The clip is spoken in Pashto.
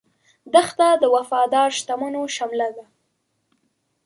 دښته د وفادار شتمنو شمله ده.